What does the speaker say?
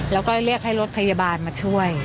แล้วก็เรียกให้รถพยาบาลมาช่วย